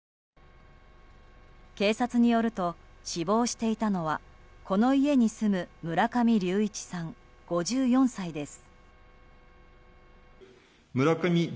警察によると死亡していたのはこの家に住む村上隆一さん、５４歳です。